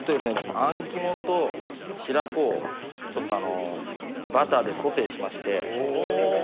あん肝と白子をちょっとあのバターでソテーしましておお